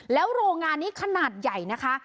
แล้วโรงงานนี้ขนาดใหญ่นะคะ